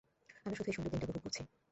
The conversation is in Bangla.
আমরা শুধু এই সুন্দর দিনটা উপভোগ করছি।